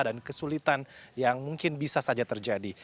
dan kesulitan yang mungkin bisa saja terjadi